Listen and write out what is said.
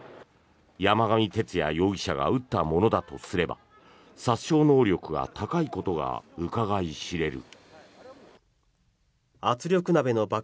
山上徹也容疑者が撃ったものだとすれば殺傷能力が高いことがうかがい知れる。